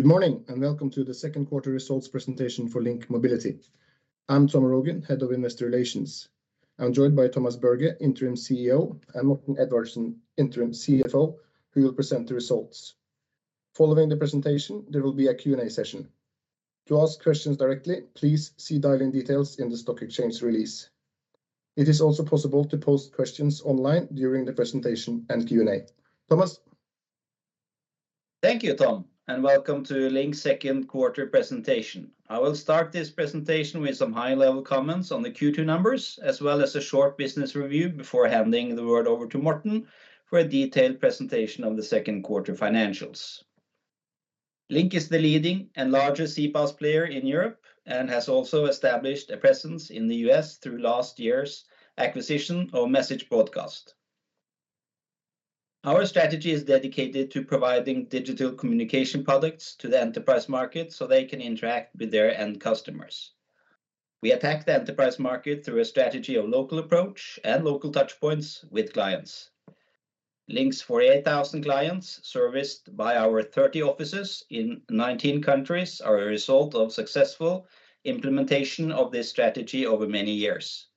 Good morning, and welcome to the second quarter results presentation for LINK Mobility. I'm Tom Rogn, Head of Investor Relations. I'm joined by Thomas Berge, Interim CEO, and Morten Edvardsen, Interim CFO, who will present the results. Following the presentation, there will be a Q&A session. To ask questions directly, please see dial-in details in the stock exchange release. It is also possible to post questions online during the presentation and Q&A. Thomas. Thank you, Tom, and welcome to LINK's second quarter presentation. I will start this presentation with some high-level comments on the Q2 numbers, as well as a short business review before handing the word over to Morten for a detailed presentation of the second quarter financials. LINK is the leading and largest CPaaS player in Europe, and has also established a presence in the U.S. through last year's acquisition of Message Broadcast. Our strategy is dedicated to providing digital communication products to the enterprise market, so they can interact with their end customers. We attack the enterprise market through a strategy of local approach and local touchpoints with clients. LINK's 48,000 clients, serviced by our 30 offices in 19 countries, are a result of successful implementation of this strategy over many years.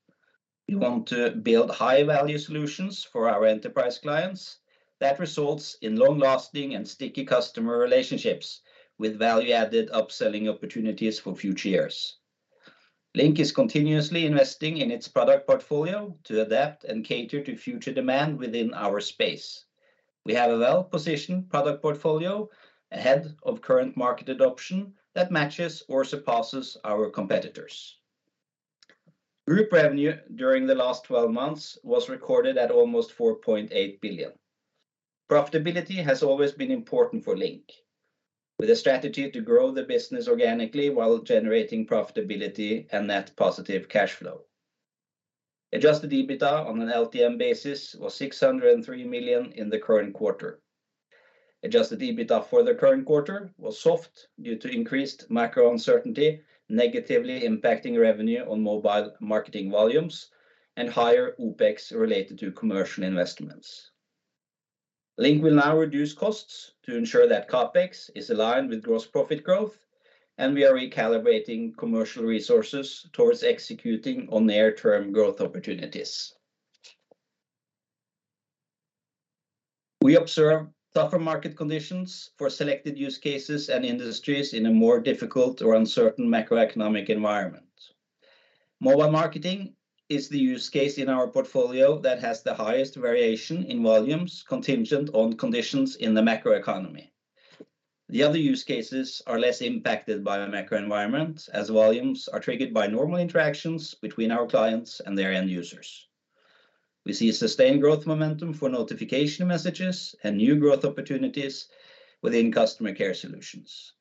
We want to build high-value solutions for our enterprise clients that results in long-lasting and sticky customer relationships, with value-added upselling opportunities for future years. LINK is continuously investing in its product portfolio to adapt and cater to future demand within our space. We have a well-positioned product portfolio ahead of current market adoption that matches or surpasses our competitors. Group revenue during the last twelve months was recorded at almost 4.8 billion. Profitability has always been important for LINK, with a strategy to grow the business organically while generating profitability and net positive cash flow. Adjusted EBITDA on an LTM basis was 603 million in the current quarter. Adjusted EBITDA for the current quarter was soft due to increased macro uncertainty, negatively impacting revenue on mobile marketing volumes and higher OPEX related to commercial investments. LINK will now reduce costs to ensure that CAPEX is aligned with gross profit growth, and we are recalibrating commercial resources towards executing on near-term growth opportunities. We observe tougher market conditions for selected use cases and industries in a more difficult or uncertain macroeconomic environment. Mobile marketing is the use case in our portfolio that has the highest variation in volumes contingent on conditions in the macro economy. The other use cases are less impacted by a macro environment, as volumes are triggered by normal interactions between our clients and their end users. We see a sustained growth momentum for notification messages and new growth opportunities within customer care solutions.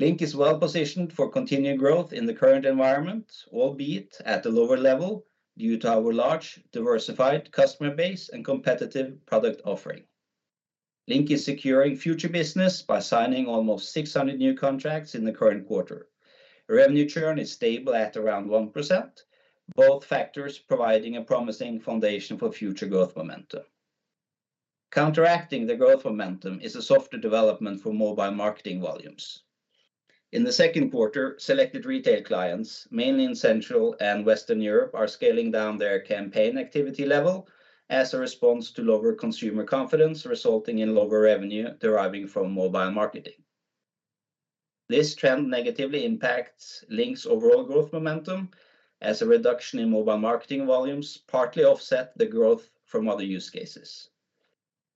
LINK is well positioned for continued growth in the current environment, albeit at a lower level due to our large, diversified customer base and competitive product offering. LINK is securing future business by signing almost 600 new contracts in the current quarter. Revenue churn is stable at around 1%, both factors providing a promising foundation for future growth momentum. Counteracting the growth momentum is a softer development for mobile marketing volumes. In the second quarter, selected retail clients, mainly in Central and Western Europe, are scaling down their campaign activity level as a response to lower consumer confidence, resulting in lower revenue deriving from mobile marketing. This trend negatively impacts LINK's overall growth momentum, as a reduction in mobile marketing volumes partly offset the growth from other use cases.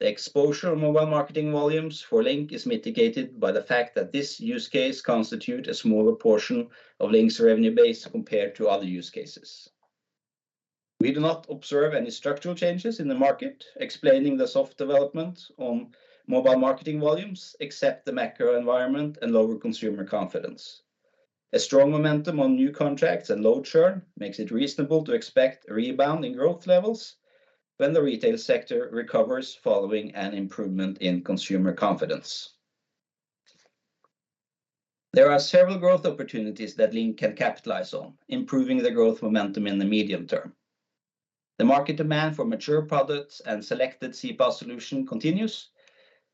The exposure of mobile marketing volumes for LINK is mitigated by the fact that this use case constitute a smaller portion of LINK's revenue base compared to other use cases. We do not observe any structural changes in the market explaining the soft development on mobile marketing volumes, except the macro environment and lower consumer confidence. A strong momentum on new contracts and low churn makes it reasonable to expect a rebound in growth levels when the retail sector recovers following an improvement in consumer confidence. There are several growth opportunities that LINK can capitalize on, improving the growth momentum in the medium term. The market demand for mature products and selected CPaaS solution continues,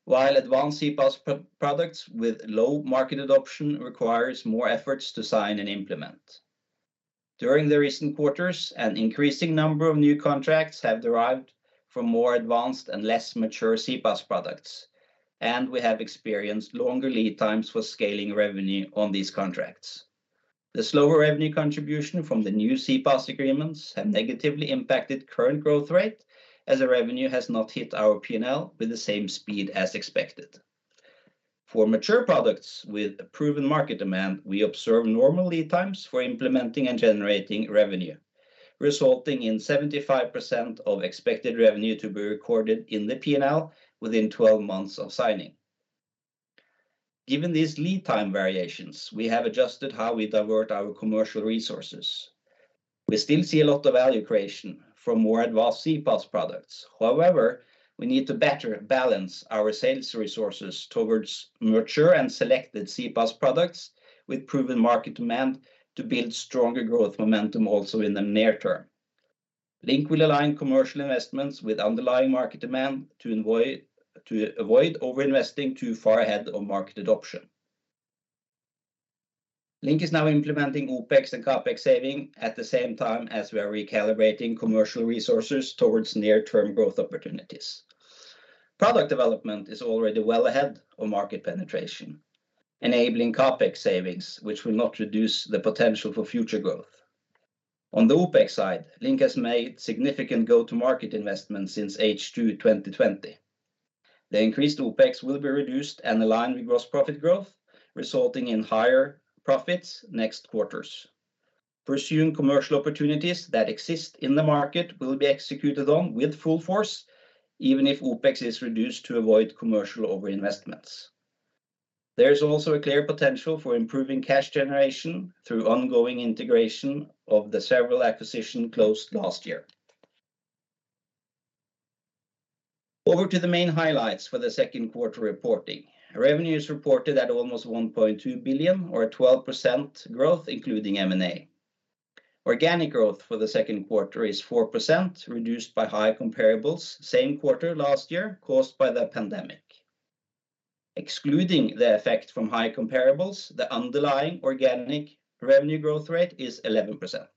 while advanced CPaaS products with low market adoption requires more efforts to sign and implement. During the recent quarters, an increasing number of new contracts have derived from more advanced and less mature CPaaS products, and we have experienced longer lead times for scaling revenue on these contracts. The slower revenue contribution from the new CPaaS agreements have negatively impacted current growth rate, as the revenue has not hit our P&L with the same speed as expected. For mature products with a proven market demand, we observe normal lead times for implementing and generating revenue, resulting in 75% of expected revenue to be recorded in the P&L within 12 months of signing. Given these lead time variations, we have adjusted how we divert our commercial resources. We still see a lot of value creation from more advanced CPaaS products. However, we need to better balance our sales resources towards mature and selected CPaaS products with proven market demand to build stronger growth momentum also in the near term. LINK will align commercial investments with underlying market demand to ensure, to avoid over-investing too far ahead of market adoption. LINK is now implementing OPEX and CAPEX savings at the same time as we are recalibrating commercial resources towards near-term growth opportunities. Product development is already well ahead of market penetration, enabling CAPEX savings, which will not reduce the potential for future growth. On the OPEX side, LINK has made significant go-to-market investments since H2 2020. The increased OPEX will be reduced and aligned with gross profit growth, resulting in higher profits next quarters. Pursuing commercial opportunities that exist in the market will be executed on with full force even if OPEX is reduced to avoid commercial over-investments. There's also a clear potential for improving cash generation through ongoing integration of the several acquisitions closed last year. Over to the main highlights for the second quarter reporting. Revenues reported at almost 1.2 billion or 12% growth, including M&A. Organic growth for the second quarter is 4%, reduced by higher comparables same quarter last year caused by the pandemic. Excluding the effect from higher comparables, the underlying organic revenue growth rate is 11%.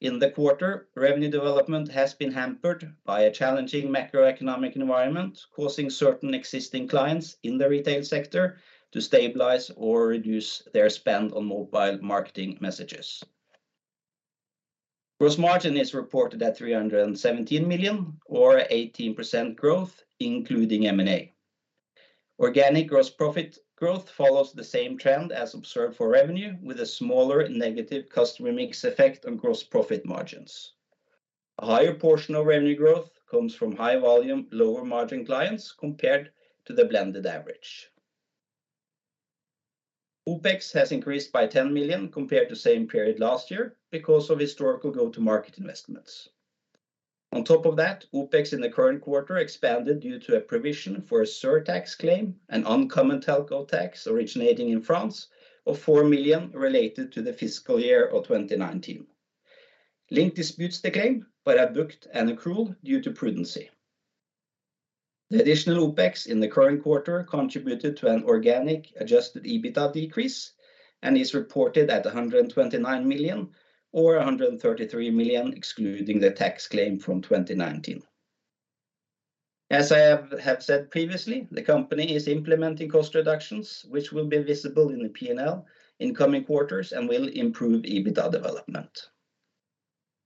In the quarter, revenue development has been hampered by a challenging macroeconomic environment, causing certain existing clients in the retail sector to stabilize or reduce their spend on mobile marketing messages. Gross margin is reported at 317 million or 18% growth, including M&A. Organic gross profit growth follows the same trend as observed for revenue, with a smaller negative customer mix effect on gross profit margins. A higher portion of revenue growth comes from high-volume, lower-margin clients compared to the blended average. OPEX has increased by 10 million compared to same period last year because of historical go-to-market investments. On top of that, OpEx in the current quarter expanded due to a provision for a surtax claim, an uncommon telco tax originating in France, of 4 million related to the fiscal year of 2019. LINK disputes the claim but have booked an accrual due to prudence. The additional OpEx in the current quarter contributed to an organic adjusted EBITA decrease and is reported at 129 million or 133 million, excluding the tax claim from 2019. As I have said previously, the company is implementing cost reductions, which will be visible in the P&L in coming quarters and will improve EBITA development.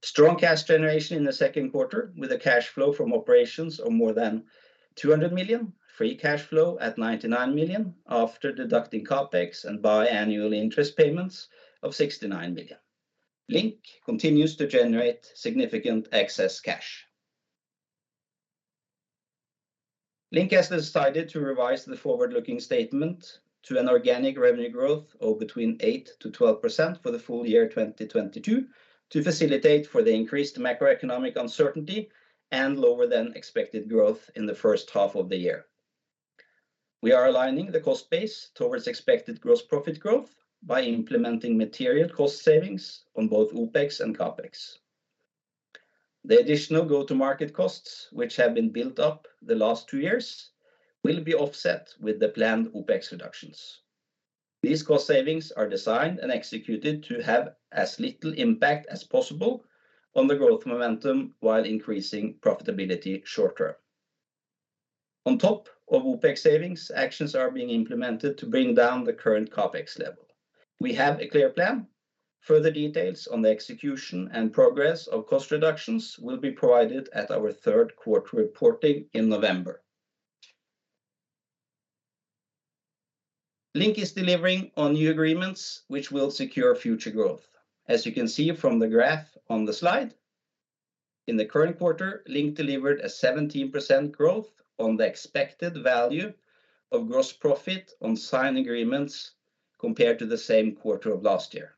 Strong cash generation in the second quarter, with a cash flow from operations of more than 200 million, free cash flow at 99 million after deducting CapEx and biannual interest payments of 69 million. LINK continues to generate significant excess cash. LINK has decided to revise the forward-looking statement to an organic revenue growth of between 8%-12% for the full year 2022 to facilitate for the increased macroeconomic uncertainty and lower than expected growth in the first half of the year. We are aligning the cost base towards expected gross profit growth by implementing material cost savings on both OPEX and CAPEX. The additional go-to-market costs, which have been built up the last 2 years, will be offset with the planned OPEX reductions. These cost savings are designed and executed to have as little impact as possible on the growth momentum while increasing profitability short term. On top of OPEX savings, actions are being implemented to bring down the current CAPEX level. We have a clear plan. Further details on the execution and progress of cost reductions will be provided at our third quarter reporting in November. LINK is delivering on new agreements which will secure future growth. As you can see from the graph on the slide, in the current quarter, LINK delivered a 17% growth on the expected value of gross profit on signed agreements compared to the same quarter of last year.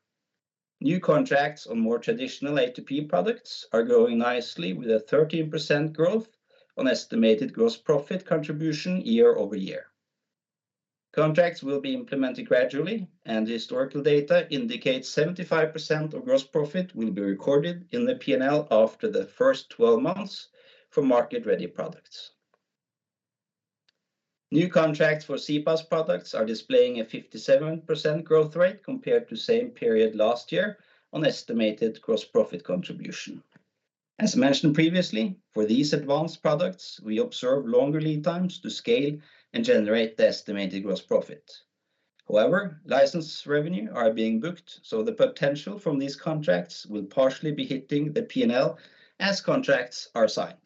New contracts on more traditional A2P products are growing nicely with a 13% growth on estimated gross profit contribution year-over-year. Contracts will be implemented gradually, and historical data indicates 75% of gross profit will be recorded in the P&L after the first 12 months for market-ready products. New contracts for CPaaS products are displaying a 57% growth rate compared to same period last year on estimated gross profit contribution. As mentioned previously, for these advanced products, we observe longer lead times to scale and generate the estimated gross profit. However, license revenue are being booked, so the potential from these contracts will partially be hitting the P&L as contracts are signed.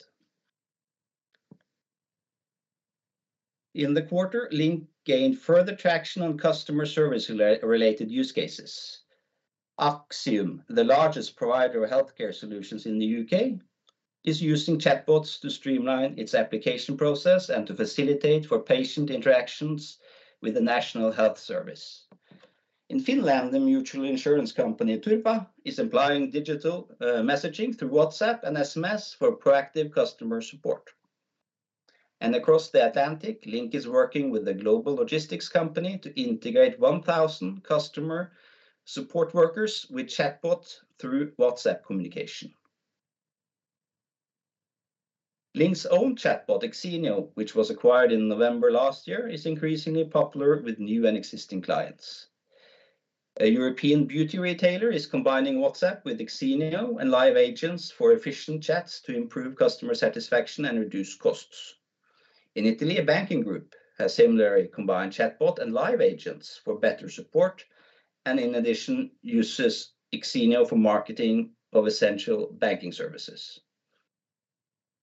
In the quarter, LINK gained further traction on customer service related use cases. Axiom, the largest provider of healthcare solutions in the U.K., is using chatbots to streamline its application process and to facilitate for patient interactions with the National Health Service. In Finland, the mutual insurance company, Turva, is employing digital messaging through WhatsApp and SMS for proactive customer support. Across the Atlantic, LINK is working with a global logistics company to integrate 1,000 customer support workers with chatbot through WhatsApp communication. LINK's own chatbot, Xenioo, which was acquired in November last year, is increasingly popular with new and existing clients. A European beauty retailer is combining WhatsApp with Xenioo and live agents for efficient chats to improve customer satisfaction and reduce costs. In Italy, a banking group has similarly combined chatbot and live agents for better support and in addition, uses Xenioo for marketing of essential banking services.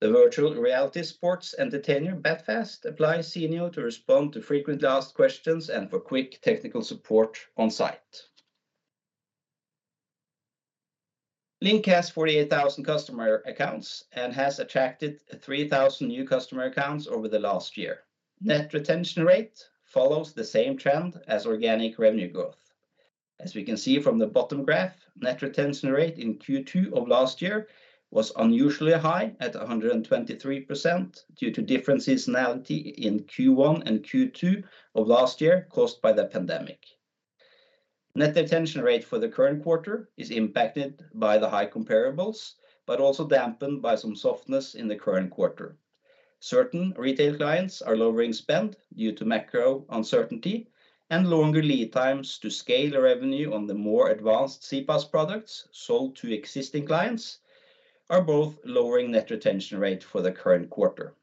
The virtual reality sports entertainer, BatFast, applies Xenioo to respond to frequently asked questions and for quick technical support on site. LINK has 48,000 customer accounts and has attracted 3,000 new customer accounts over the last year. Net retention rate follows the same trend as organic revenue growth. As we can see from the bottom graph, net retention rate in Q2 of last year was unusually high at 123% due to different seasonality in Q1 and Q2 of last year, caused by the pandemic. Net retention rate for the current quarter is impacted by the high comparables, but also dampened by some softness in the current quarter. Certain retail clients are lowering spend due to macro uncertainty and longer lead times to scale revenue on the more advanced CPaaS products sold to existing clients, are both lowering net retention rate for the current quarter.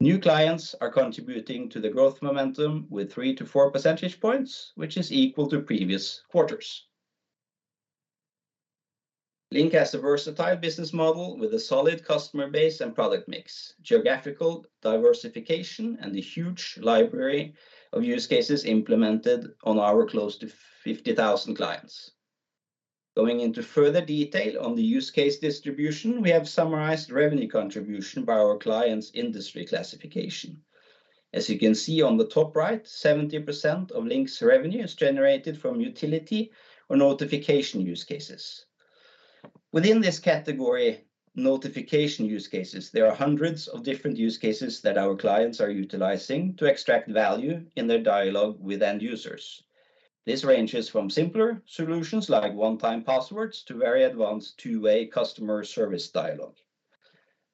New clients are contributing to the growth momentum with 3-4 percentage points, which is equal to previous quarters. LINK has a versatile business model with a solid customer base and product mix, geographical diversification, and a huge library of use cases implemented on our close to 50,000 clients. Going into further detail on the use case distribution, we have summarized revenue contribution by our clients industry classification. As you can see on the top right, 70% of LINK's revenue is generated from utility or notification use cases. Within this category, notification use cases, there are hundreds of different use cases that our clients are utilizing to extract value in their dialogue with end users. This ranges from simpler solutions like one-time passwords to very advanced two-way customer service dialogue.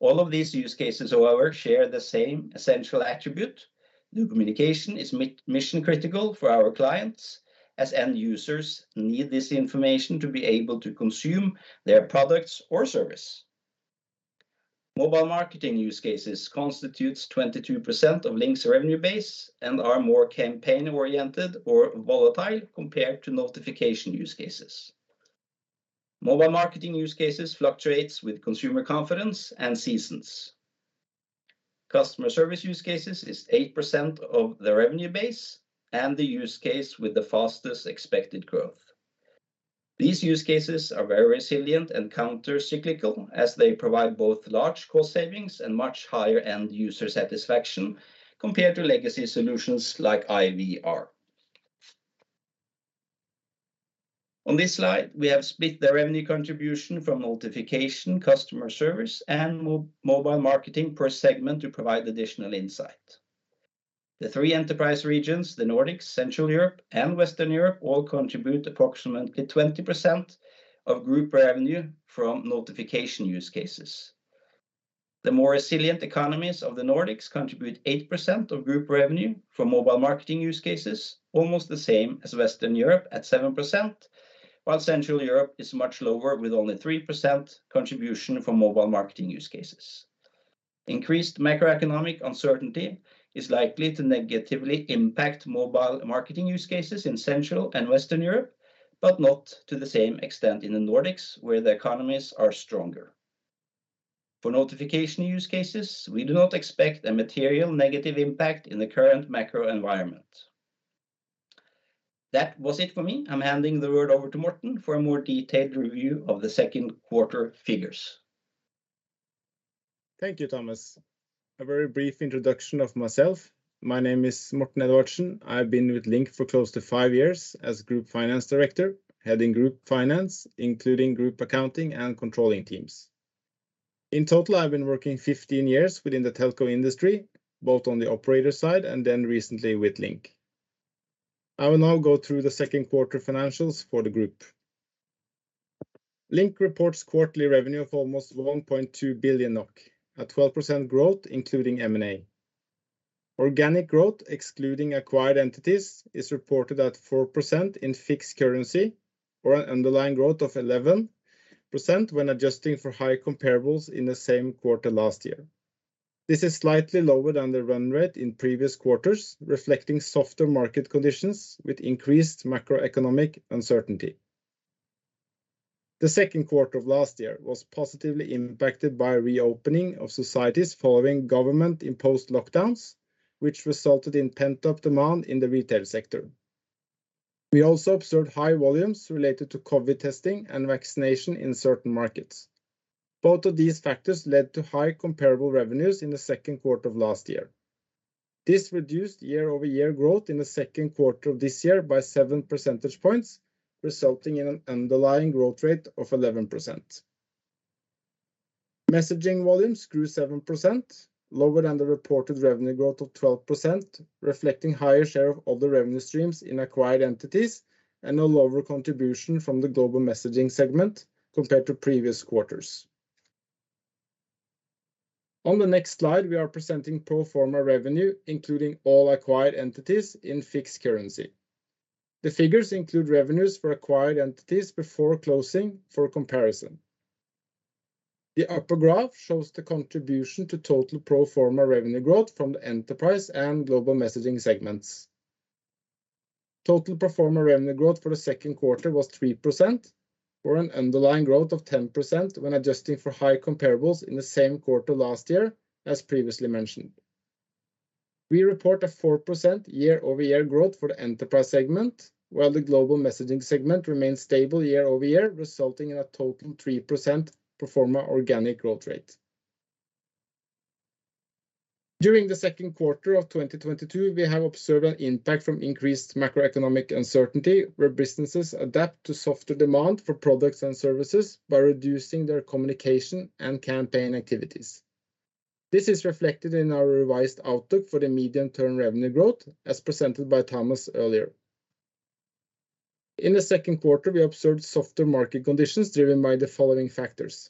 All of these use cases, however, share the same essential attribute. New communication is mission critical for our clients, as end users need this information to be able to consume their products or service. Mobile marketing use cases constitutes 22% of LINK's revenue base and are more campaign-oriented or volatile compared to notification use cases. Mobile marketing use cases fluctuates with consumer confidence and seasons. Customer service use cases is 8% of the revenue base and the use case with the fastest expected growth. These use cases are very resilient and counter-cyclical as they provide both large cost savings and much higher end user satisfaction compared to legacy solutions like IVR. On this slide, we have split the revenue contribution from notification, customer service, and mobile marketing per segment to provide additional insight. The three enterprise regions, the Nordics, Central Europe, and Western Europe, all contribute approximately 20% of group revenue from notification use cases. The more resilient economies of the Nordics contribute 8% of group revenue from mobile marketing use cases, almost the same as Western Europe at 7%, while Central Europe is much lower with only 3% contribution from mobile marketing use cases. Increased macroeconomic uncertainty is likely to negatively impact mobile marketing use cases in Central and Western Europe, but not to the same extent in the Nordics, where the economies are stronger. For notification use cases, we do not expect a material negative impact in the current macro environment. That was it for me. I'm handing the word over to Morten for a more detailed review of the second quarter figures. Thank you, Thomas. A very brief introduction of myself. My name is Morten Edvardsen. I've been with LINK for close to 5 years as group finance director, heading group finance, including group accounting and controlling teams. In total, I've been working 15 years within the telco industry, both on the operator side and then recently with LINK. I will now go through the second quarter financials for the group. LINK reports quarterly revenue of almost 1.2 billion NOK, a 12% growth including M&A. Organic growth, excluding acquired entities, is reported at 4% in fixed currency or an underlying growth of 11% when adjusting for higher comparables in the same quarter last year. This is slightly lower than the run rate in previous quarters, reflecting softer market conditions with increased macroeconomic uncertainty. The second quarter of last year was positively impacted by reopening of societies following government-imposed lockdowns, which resulted in pent-up demand in the retail sector. We also observed high volumes related to COVID testing and vaccination in certain markets. Both of these factors led to high comparable revenues in the second quarter of last year. This reduced year-over-year growth in the second quarter of this year by 7 percentage points, resulting in an underlying growth rate of 11%. Messaging volumes grew 7% lower than the reported revenue growth of 12%, reflecting higher share of other revenue streams in acquired entities and a lower contribution from the global messaging segment compared to previous quarters. On the next slide, we are presenting pro forma revenue, including all acquired entities in fixed currency. The figures include revenues for acquired entities before closing for comparison. The upper graph shows the contribution to total pro forma revenue growth from the enterprise and global messaging segments. Total pro forma revenue growth for the second quarter was 3%, or an underlying growth of 10% when adjusting for high comparables in the same quarter last year, as previously mentioned. We report a 4% year-over-year growth for the enterprise segment, while the global messaging segment remains stable year-over-year, resulting in a total 3% pro forma organic growth rate. During the second quarter of 2022, we have observed an impact from increased macroeconomic uncertainty, where businesses adapt to softer demand for products and services by reducing their communication and campaign activities. This is reflected in our revised outlook for the medium-term revenue growth, as presented by Thomas earlier. In the second quarter, we observed softer market conditions driven by the following factors.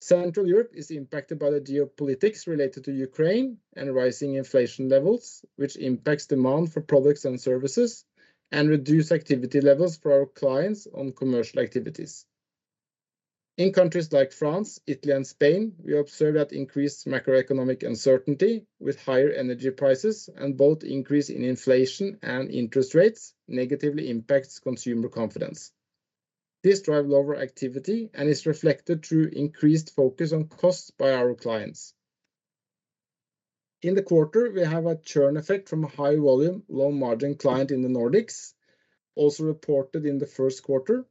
Central Europe is impacted by the geopolitics related to Ukraine and rising inflation levels, which impacts demand for products and services and reduce activity levels for our clients on commercial activities. In countries like France, Italy and Spain, we observe that increased macroeconomic uncertainty with higher energy prices and both increase in inflation and interest rates negatively impacts consumer confidence. This drives lower activity and is reflected through increased focus on costs by our clients. In the quarter, we have a churn effect from a high volume, low margin client in the Nordics, also reported in the first quarter.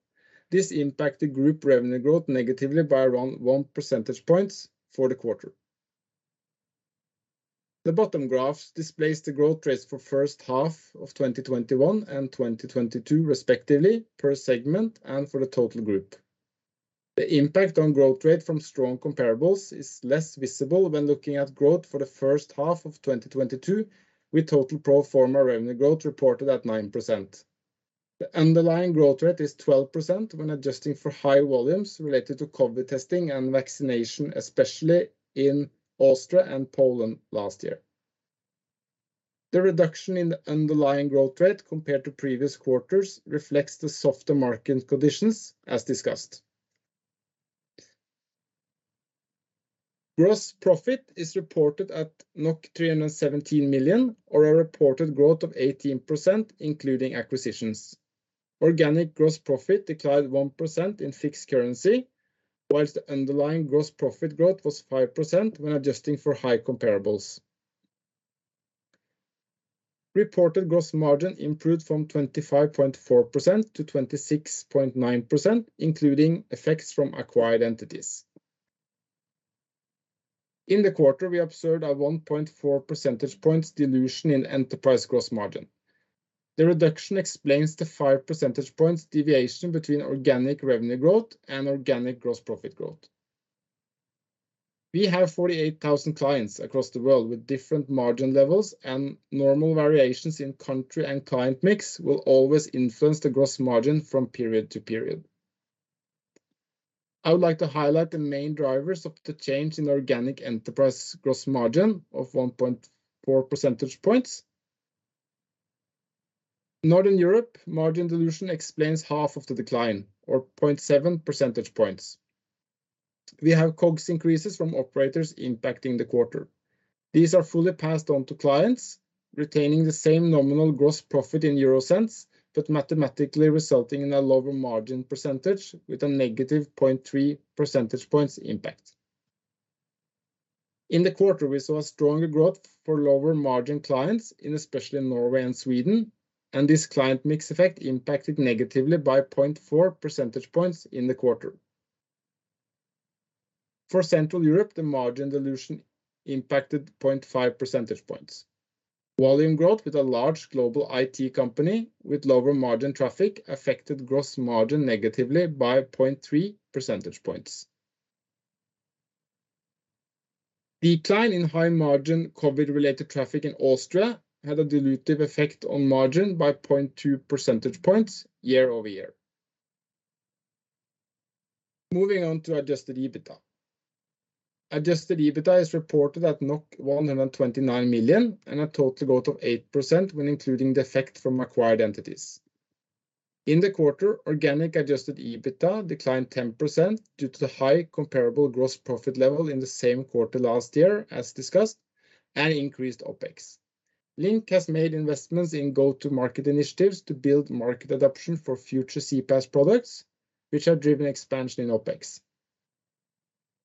This impacted group revenue growth negatively by around 1 percentage points for the quarter. The bottom graph displays the growth rates for first half of 2021 and 2022 respectively per segment and for the total group. The impact on growth rate from strong comparables is less visible when looking at growth for the first half of 2022, with total pro forma revenue growth reported at 9%. The underlying growth rate is 12% when adjusting for high volumes related to COVID testing and vaccination, especially in Austria and Poland last year. The reduction in the underlying growth rate compared to previous quarters reflects the softer market conditions as discussed. Gross profit is reported at 317 million, or a reported growth of 18% including acquisitions. Organic gross profit declined 1% in fixed currency, while the underlying gross profit growth was 5% when adjusting for high comparables. Reported gross margin improved from 25.4% to 26.9%, including effects from acquired entities. In the quarter, we observed a 1.4 percentage points dilution in enterprise gross margin. The reduction explains the 5 percentage points deviation between organic revenue growth and organic gross profit growth. We have 48,000 clients across the world with different margin levels and normal variations in country and client mix will always influence the gross margin from period to period. I would like to highlight the main drivers of the change in organic enterprise gross margin of 1.4 percentage points. Northern Europe margin dilution explains half of the decline or 0.7 percentage points. We have COGS increases from operators impacting the quarter. These are fully passed on to clients retaining the same nominal gross profit in euro cents, but mathematically resulting in a lower margin percentage with a negative 0.3 percentage points impact. In the quarter, we saw a stronger growth for lower margin clients in especially Norway and Sweden, and this client mix effect impacted negatively by 0.4 percentage points in the quarter. For Central Europe, the margin dilution impacted 0.5 percentage points. Volume growth with a large global IT company with lower margin traffic affected gross margin negatively by 0.3 percentage points. Decline in high margin COVID-related traffic in Austria had a dilutive effect on margin by 0.2 percentage points year-over-year. Moving on to adjusted EBITDA. Adjusted EBITDA is reported at NOK 129 million and a total growth of 8% when including the effect from acquired entities. In the quarter, organic adjusted EBITDA declined 10% due to the high comparable gross profit level in the same quarter last year as discussed, and increased OPEX. LINK has made investments in go-to-market initiatives to build market adoption for future CPaaS products, which have driven expansion in OPEX.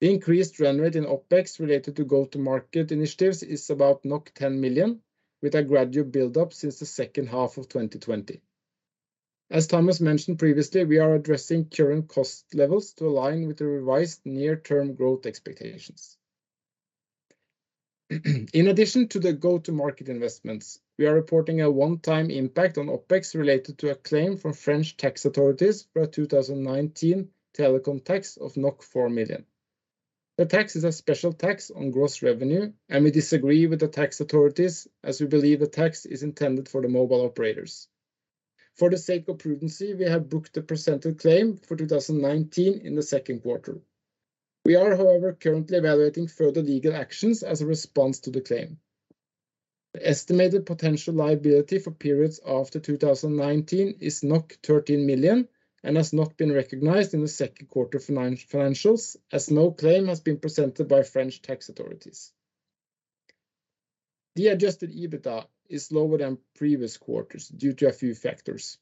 The increased run rate in OpEx related to go-to-market initiatives is about 10 million, with a gradual build up since the second half of 2020. As Thomas mentioned previously, we are addressing current cost levels to align with the revised near term growth expectations. In addition to the go-to-market investments, we are reporting a one-time impact on OpEx related to a claim from French tax authorities for a 2019 telecom tax of 4 million. The tax is a special tax on gross revenue, and we disagree with the tax authorities, as we believe the tax is intended for the mobile operators. For the sake of prudence, we have booked the presented claim for 2019 in the second quarter. We are, however, currently evaluating further legal actions as a response to the claim. The estimated potential liability for periods after 2019 is 13 million and has not been recognized in the second quarter financials as no claim has been presented by French tax authorities. The adjusted EBITA is lower than previous quarters due to a few factors.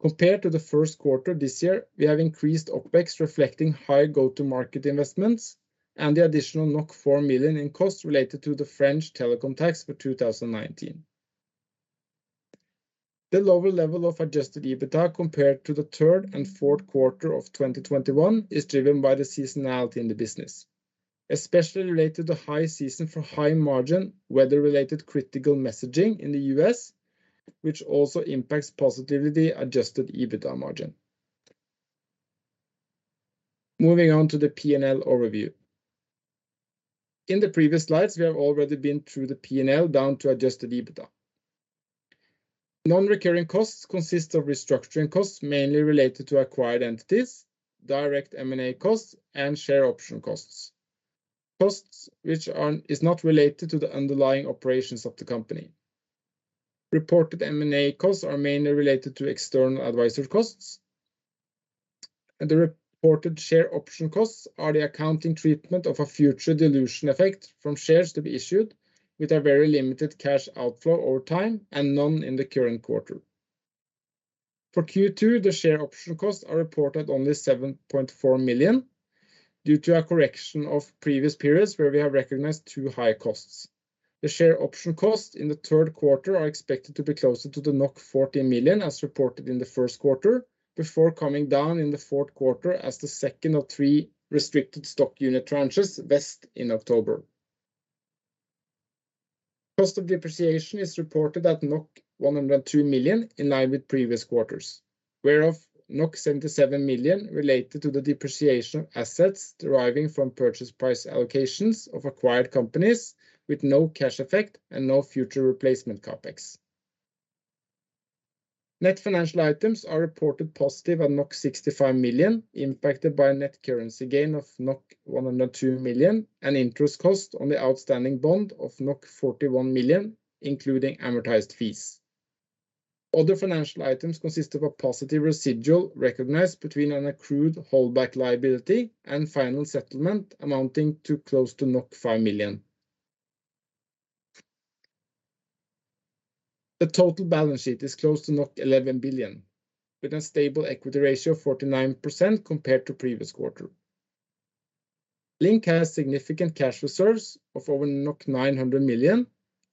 Compared to the first quarter this year, we have increased OPEX reflecting higher go-to-market investments and the additional 4 million in costs related to the French telecom tax for 2019. The lower level of adjusted EBITA compared to the third and fourth quarter of 2021 is driven by the seasonality in the business, especially related to high season for high margin, weather-related critical messaging in the U.S., which also impacts positively adjusted EBITA margin. Moving on to the P&L overview. In the previous slides, we have already been through the P&L down to adjusted EBITA. Non-recurring costs consist of restructuring costs mainly related to acquired entities, direct M&A costs, and share option costs. Costs which are not related to the underlying operations of the company. Reported M&A costs are mainly related to external advisory costs, and the reported share option costs are the accounting treatment of a future dilution effect from shares to be issued with a very limited cash outflow over time and none in the current quarter. For Q2, the share option costs are reported only 7.4 million due to a correction of previous periods where we have recognized too high costs. The share option cost in the third quarter are expected to be closer to the 40 million as reported in the first quarter before coming down in the fourth quarter as the second of three restricted stock unit tranches vest in October. Cost of depreciation is reported at 102 million, in line with previous quarters, whereof 77 million related to the depreciation assets deriving from purchase price allocations of acquired companies with no cash effect and no future replacement CapEx. Net financial items are reported positive at 65 million, impacted by a net currency gain of 102 million and interest cost on the outstanding bond of 41 million, including amortized fees. Other financial items consist of a positive residual recognized between an accrued holdback liability and final settlement amounting to close to 5 million. The total balance sheet is close to 11 billion, with a stable equity ratio of 49% compared to previous quarter. LINK has significant cash reserves of over 900 million,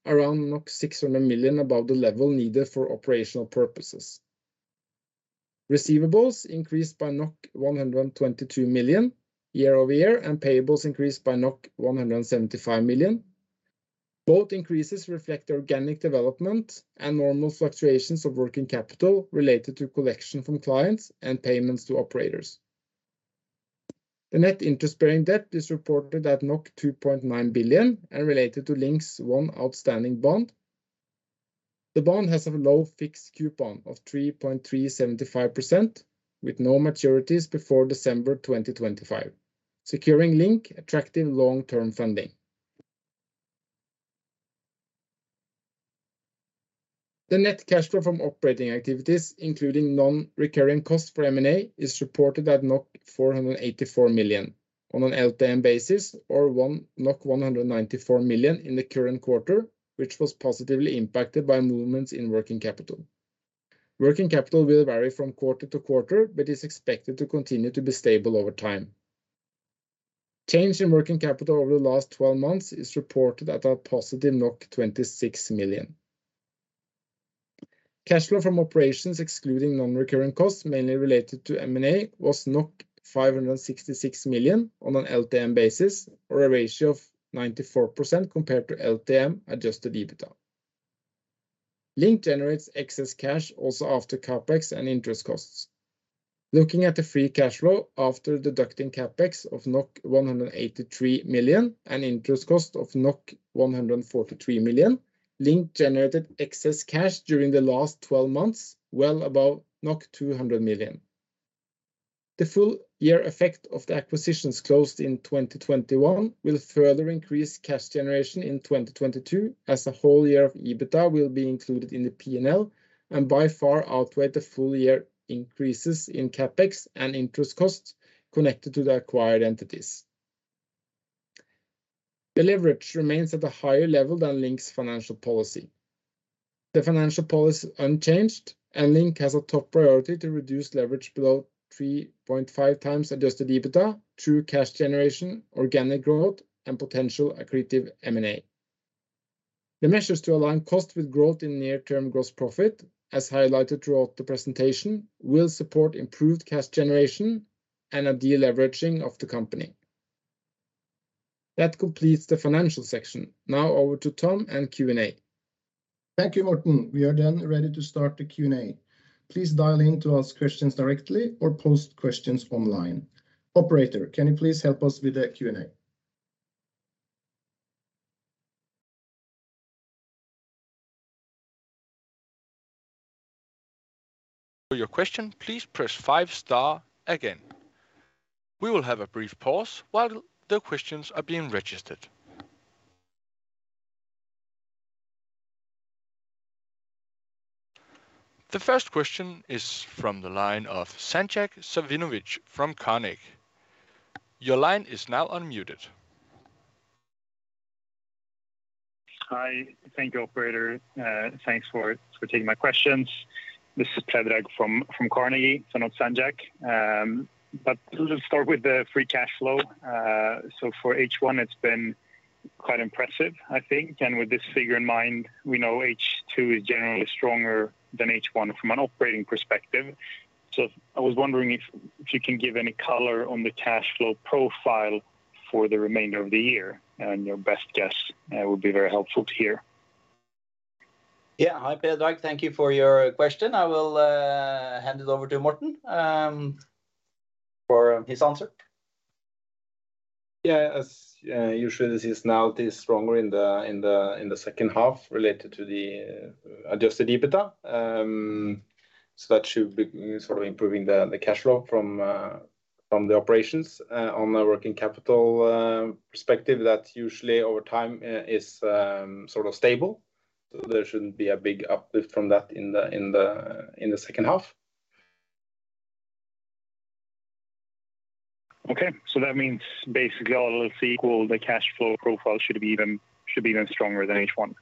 around 600 million above the level needed for operational purposes. Receivables increased by 122 million year-over-year, and payables increased by 175 million. Both increases reflect organic development and normal fluctuations of working capital related to collection from clients and payments to operators. The net interest-bearing debt is reported at 2.9 billion and related to LINK's one outstanding bond. The bond has a low fixed coupon of 3.375% with no maturities before December 2025, securing LINK attractive long-term funding. The net cash flow from operating activities, including non-recurring costs for M&A, is reported at 484 million on an LTM basis or 194 million in the current quarter, which was positively impacted by movements in working capital. Working capital will vary from quarter-to-quarter but is expected to continue to be stable over time. Change in working capital over the last twelve months is reported at a positive 26 million. Cash flow from operations excluding non-recurring costs, mainly related to M&A, was 566 million on an LTM basis or a ratio of 94% compared to LTM adjusted EBITA. LINK generates excess cash also after CapEx and interest costs. Looking at the free cash flow after deducting CapEx of 183 million and interest cost of 143 million, LINK generated excess cash during the last twelve months, well above 200 million. The full year effect of the acquisitions closed in 2021 will further increase cash generation in 2022 as a whole year of EBITA will be included in the P&L and by far outweigh the full year increases in CapEx and interest costs connected to the acquired entities. The leverage remains at a higher level than LINK's financial policy. The financial policy unchanged and LINK has a top priority to reduce leverage below 3.5 times adjusted EBITA through cash generation, organic growth, and potential accretive M&A. The measures to align cost with growth in near-term gross profit, as highlighted throughout the presentation, will support improved cash generation and a deleveraging of the company. That completes the financial section. Now over to Tom and Q&A. Thank you, Morten. We are ready to start the Q&A. Please dial in to ask questions directly or post questions online. Operator, can you please help us with the Q&A? For your question, please press five star again. We will have a brief pause while the questions are being registered. The first question is from the line of Predrag Savinovic from Carnegie. Your line is now unmuted. Hi. Thank you, operator. Thanks for taking my questions. This is Predrag from Carnegie, so not Sandjack. Let's start with the free cash flow. For H1 it's been quite impressive, I think. With this figure in mind, we know H2 is generally stronger than H1 from an operating perspective. I was wondering if you can give any color on the cash flow profile for the remainder of the year and your best guess would be very helpful to hear. Yeah. Hi, Predrag. Thank you for your question. I will hand it over to Morten for his answer. Yeah. As usual, this is now stronger in the second half related to the adjusted EBITDA. That should be sort of improving the cash flow from the operations on the working capital perspective that usually over time is sort of stable. There shouldn't be a big uplift from that in the second half. Okay. That means basically all else equal, the cash flow profile should be even stronger than H1.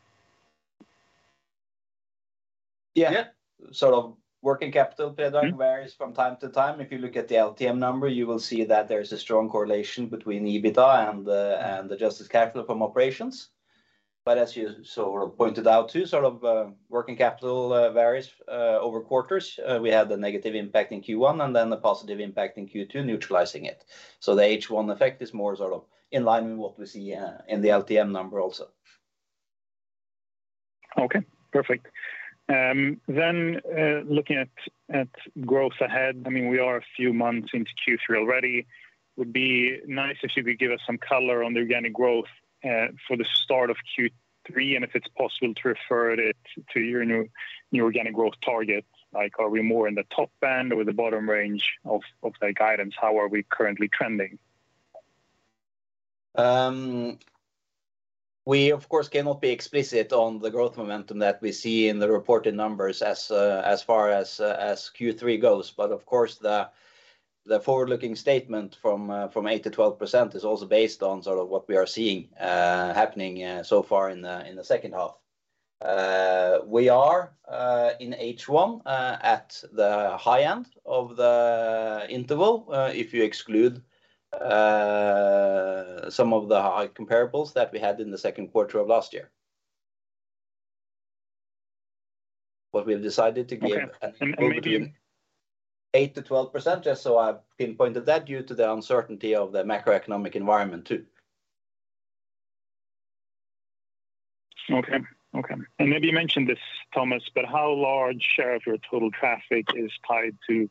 Yeah. Sort of working capital, Predrag. Mm-hmm... varies from time to time. If you look at the LTM number, you will see that there's a strong correlation between EBITDA and the adjusted capital from operations. As you sort of pointed out too, sort of, working capital varies over quarters. We had the negative impact in Q1 and then the positive impact in Q2 neutralizing it. The H1 effect is more sort of in line with what we see in the LTM number also. Okay, perfect. Looking at growth ahead. I mean, we are a few months into Q3 already. Would be nice if you could give us some color on the organic growth for the start of Q3, and if it's possible to refer it to your new organic growth target. Like, are we more in the top band or the bottom range of the guidance? How are we currently trending? We of course cannot be explicit on the growth momentum that we see in the reported numbers as far as Q3 goes. Of course the forward-looking statement from 8%-12% is also based on sort of what we are seeing happening so far in the second half. We are in H1 at the high end of the interval if you exclude some of the high comparables that we had in the second quarter of last year. We have decided to give- Okay. 8%-12%, just so I've pinpointed that, due to the uncertainty of the macroeconomic environment too. Okay. Maybe you mentioned this, Thomas, but how large share of your total traffic is tied to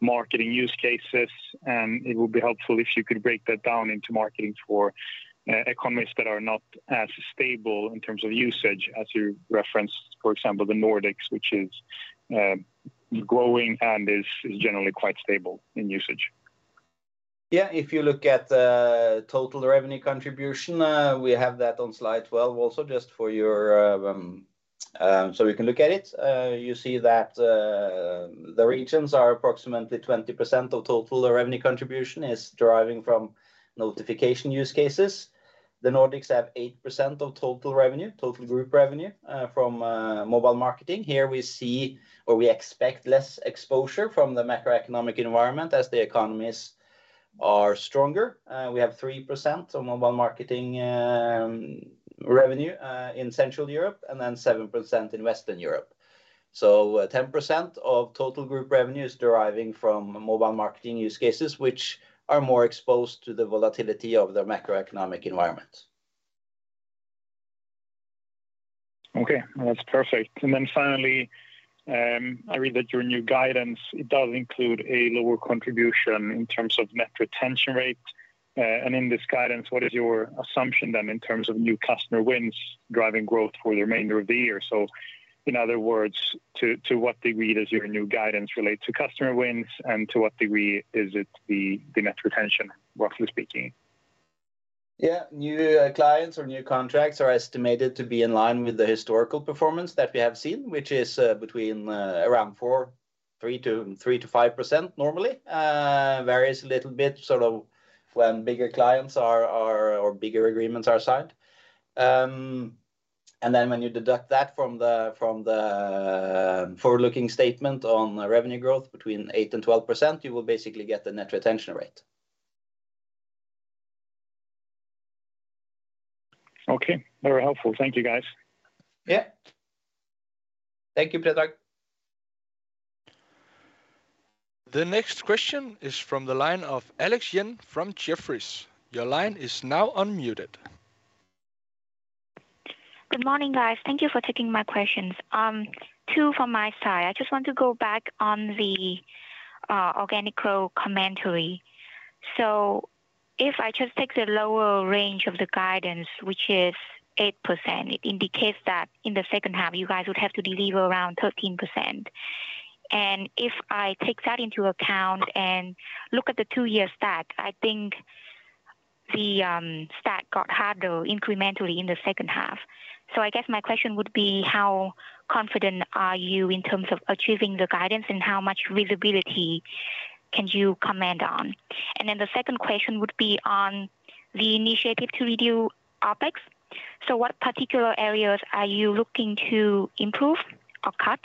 marketing use cases? It would be helpful if you could break that down into marketing for economies that are not as stable in terms of usage as you referenced, for example, the Nordics, which is growing and is generally quite stable in usage. Yeah. If you look at the total revenue contribution, we have that on Slide 12 also, just for your. We can look at it. You see that the regions are approximately 20% of total revenue contribution is deriving from notification use cases. The Nordics have 8% of total revenue, total group revenue, from mobile marketing. Here we see or we expect less exposure from the macroeconomic environment as the economies are stronger. We have 3% on mobile marketing revenue in Central Europe, and then 7% in Western Europe. Ten percent of total group revenue is deriving from mobile marketing use cases, which are more exposed to the volatility of the macroeconomic environment. Okay. That's perfect. Finally, I read that your new guidance, it does include a lower contribution in terms of net retention rate. In this guidance, what is your assumption then in terms of new customer wins driving growth for the remainder of the year? In other words, to what degree does your new guidance relate to customer wins and to what degree is it the net retention, roughly speaking? Yeah. New clients or new contracts are estimated to be in line with the historical performance that we have seen, which is between around 3 to 5% normally. Varies a little bit sort of when bigger clients are or bigger agreements are signed. Then when you deduct that from the forward-looking statement on revenue growth between 8% and 12%, you will basically get the net retention rate. Okay, very helpful. Thank you, guys. Yeah. Thank you, Predrag. The next question is from the line of Alex Yin from Jefferies. Your line is now unmuted. Good morning, guys. Thank you for taking my questions. Two from my side. I just want to go back on the organic commentary. If I just take the lower range of the guidance, which is 8%, it indicates that in the second half, you guys would have to deliver around 13%. If I take that into account and look at the two-year stack, I think the stack got harder incrementally in the second half. I guess my question would be how confident are you in terms of achieving the guidance, and how much visibility can you comment on? Then the second question would be on the initiative to reduce OpEx. What particular areas are you looking to improve or cut?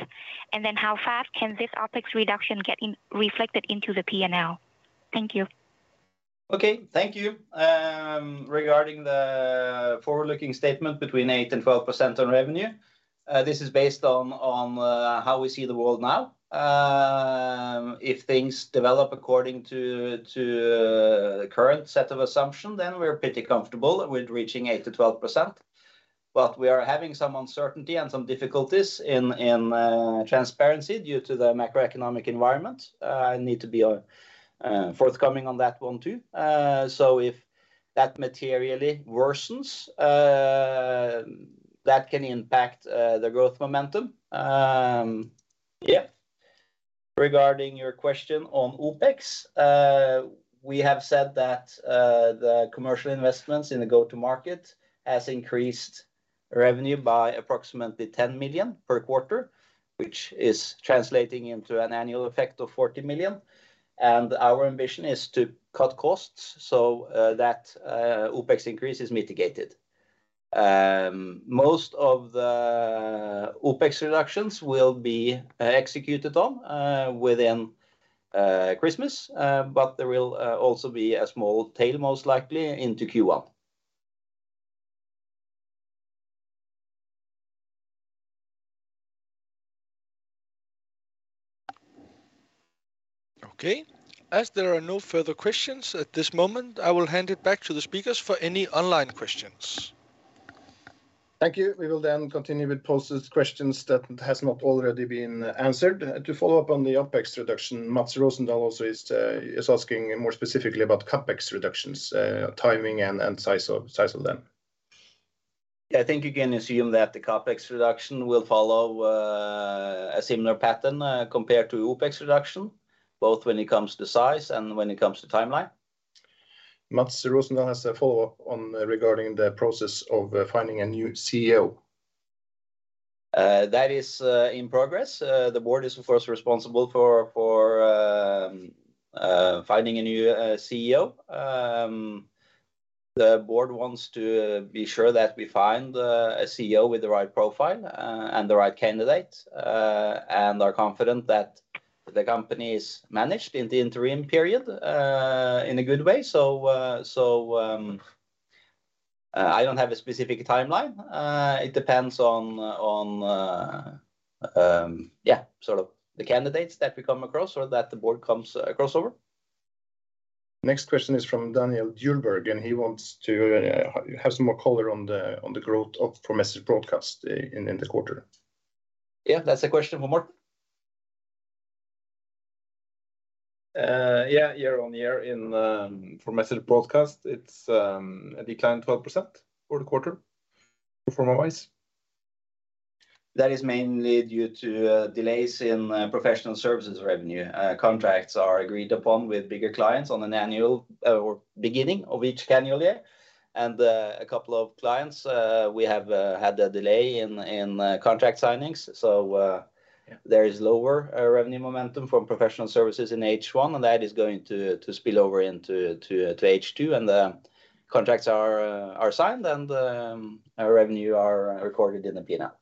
Then how fast can this OpEx reduction get reflected into the P&L? Thank you. Okay. Thank you. Regarding the forward-looking statement between 8% and 12% on revenue, this is based on how we see the world now. If things develop according to the current set of assumption, then we're pretty comfortable with reaching 8%-12%. But we are having some uncertainty and some difficulties in transparency due to the macroeconomic environment. I need to be forthcoming on that one, too. If that materially worsens, that can impact the growth momentum. Regarding your question on OPEX, we have said that the commercial investments in the go-to-market has increased revenue by approximately 10 million per quarter, which is translating into an annual effect of 40 million. Our ambition is to cut costs so that OPEX increase is mitigated. Most of the OPEX reductions will be executed within Christmas. There will also be a small tail, most likely, into Q1. Okay. As there are no further questions at this moment, I will hand it back to the speakers for any online questions. Thank you. We will continue with post questions that has not already been answered. To follow up on the OpEx reduction, Mats Rosendal also is asking more specifically about CapEx reductions, timing and size of them. Yeah, I think you can assume that the CAPEX reduction will follow a similar pattern compared to OPEX reduction, both when it comes to size and when it comes to timeline. Mats Rosendal has a follow-up regarding the process of finding a new CEO. That is in progress. The board is, of course, responsible for finding a new CEO. The board wants to be sure that we find a CEO with the right profile and the right candidate and are confident that the company is managed in the interim period in a good way. I don't have a specific timeline. It depends on yeah, sort of the candidates that we come across or that the board comes across over. Next question is from Daniel Djurberg, and he wants to have some more color on the growth for Message Broadcast in the quarter. Yeah. That's a question for Morten Edvardsen. Year-on-year for Message Broadcast, it's a decline of 12% for the quarter performance-wise. That is mainly due to delays in professional services revenue. Contracts are agreed upon with bigger clients on an annual or beginning of each calendar year. A couple of clients we have had a delay in contract signings. There is lower revenue momentum from professional services in H1, and that is going to spill over into H2. The contracts are signed and our revenue are recorded in the P&L.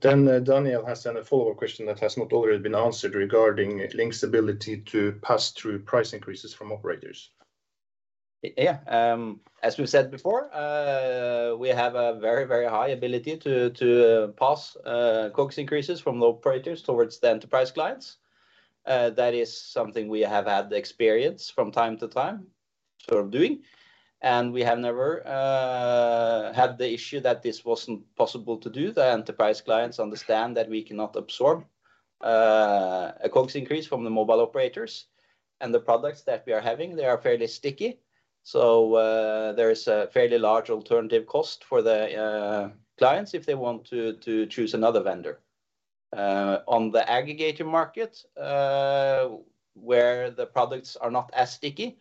Daniel has a follow-up question that has not already been answered regarding LINK's ability to pass through price increases from operators. Yeah. As we've said before, we have a very high ability to pass cost increases from the operators towards the enterprise clients. That is something we have had the experience from time to time sort of doing, and we have never had the issue that this wasn't possible to do. The enterprise clients understand that we cannot absorb a cost increase from the mobile operators. The products that we are having, they are fairly sticky. There is a fairly large alternative cost for the clients if they want to choose another vendor. On the aggregator market, where the products are not as sticky,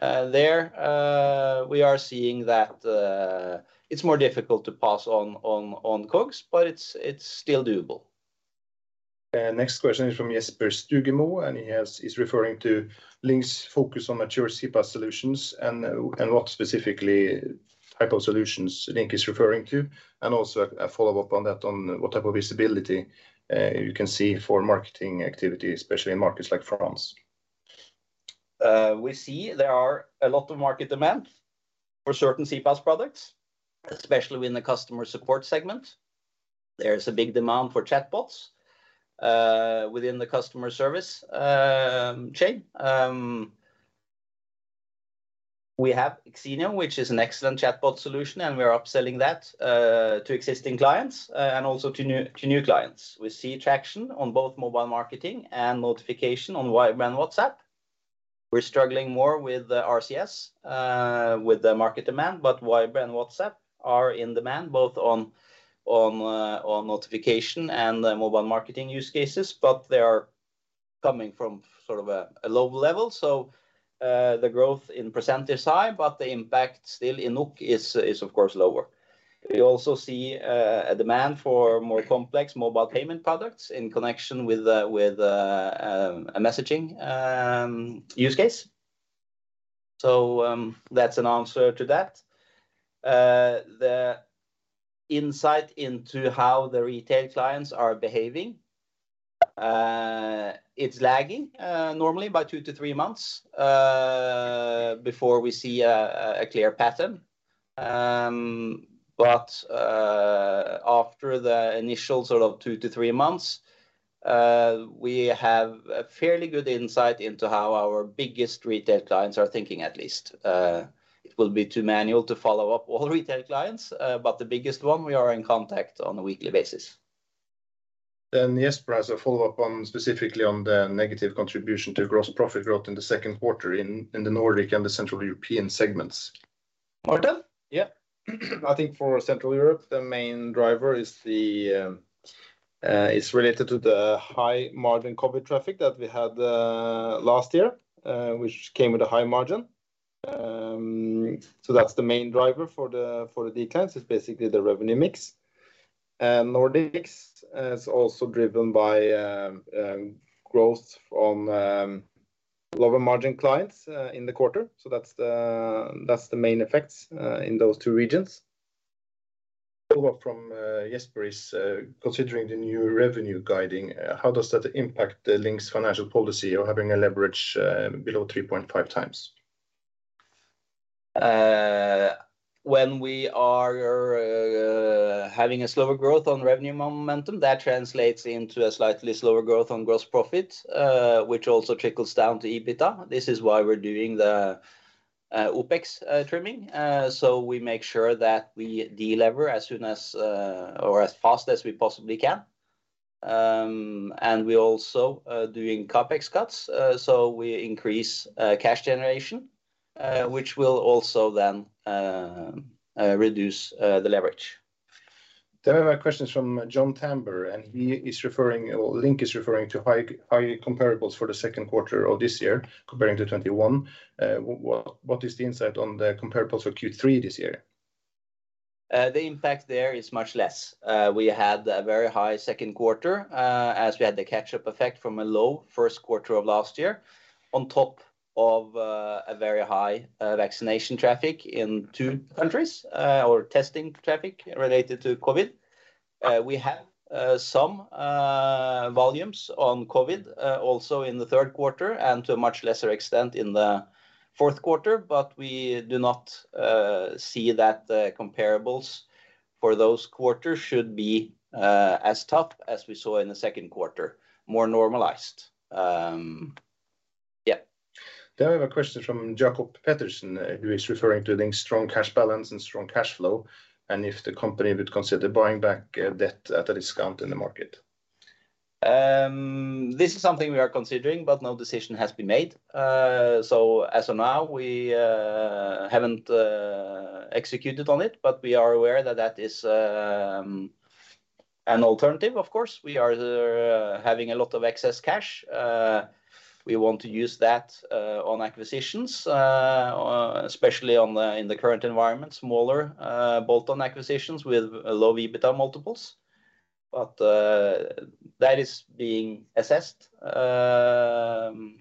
there we are seeing that it's more difficult to pass on costs, but it's still doable. Next question is from Jesper Stugemo, and he is referring to LINK's focus on mature CPaaS solutions and what specific type of solutions LINK is referring to, and also a follow-up on that on what type of visibility you can see for marketing activity, especially in markets like France. We see there are a lot of market demand for certain CPaaS products, especially in the customer support segment. There's a big demand for chatbots within the customer service chain. We have Xenioo, which is an excellent chatbot solution, and we're upselling that to existing clients and also to new clients. We see traction on both mobile marketing and notification on Viber and WhatsApp. We're struggling more with the RCS with the market demand. Viber and WhatsApp are in demand both on notification and the mobile marketing use cases, but they are coming from sort of a low level. The growth in percentage is high, but the impact still in NOK is of course lower. We also see a demand for more complex mobile payment products in connection with a messaging use case. That's an answer to that. The insight into how the retail clients are behaving, it's lagging normally by two to three months before we see a clear pattern. After the initial sort of two to three months, we have a fairly good insight into how our biggest retail clients are thinking at least. It will be too manual to follow up all retail clients, but the biggest one we are in contact on a weekly basis. Jesper has a follow-up on specifically the negative contribution to gross profit growth in the second quarter in the Nordic and the Central European segments. Morten? Yeah. I think for Central Europe, the main driver is related to the high-margin COVID traffic that we had last year, which came with a high margin. That's the main driver for the declines, is basically the revenue mix. Nordics is also driven by growth from lower-margin clients in the quarter. That's the main effects in those two regions. Follow-up from Jesper is: Considering the new revenue guidance, how does that impact the LINK's financial policy or having a leverage below 3.5 times? When we are having a slower growth on revenue momentum, that translates into a slightly slower growth on gross profit, which also trickles down to EBITDA. This is why we're doing the OPEX trimming, so we make sure that we de-lever as soon as or as fast as we possibly can. We're also doing CAPEX cuts, so we increase cash generation, which will also then reduce the leverage. We have a question from Johan Tambur, and he is referring or LINK is referring to high comparables for the second quarter of this year comparing to 2021. What is the insight on the comparables for Q3 this year? The impact there is much less. We had a very high second quarter, as we had the catch-up effect from a low first quarter of last year, on top of a very high vaccination traffic in two countries, or testing traffic related to COVID. We have some volumes on COVID also in the third quarter and to a much lesser extent in the fourth quarter, but we do not see that the comparables for those quarters should be as tough as we saw in the second quarter. More normalized. Yeah. We have a question from Jacob Pattersson, who is referring to LINK's strong cash balance and strong cash flow, and if the company would consider buying back debt at a discount in the market. This is something we are considering, but no decision has been made. As of now, we haven't executed on it, but we are aware that that is an alternative, of course. We are having a lot of excess cash. We want to use that on acquisitions, especially in the current environment, smaller bolt-on acquisitions with low EBITDA multiples. That is being assessed on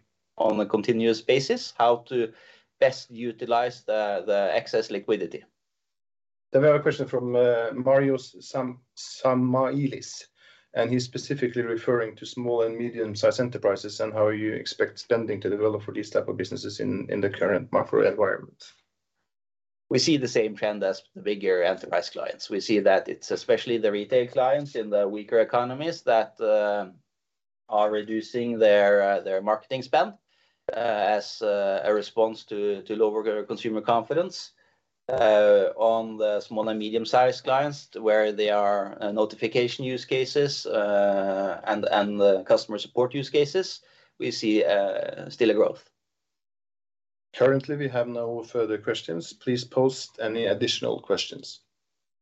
a continuous basis, how to best utilize the excess liquidity. We have a question from Mario Samaelis, and he's specifically referring to small and medium-sized enterprises and how you expect spending to develop for these type of businesses in the current macro environment. We see the same trend as the bigger enterprise clients. We see that it's especially the retail clients in the weaker economies that are reducing their marketing spend as a response to lower consumer confidence. On the small and medium-sized clients, where they are notification use cases and customer support use cases, we see still a growth. Currently, we have no further questions. Please post any additional questions.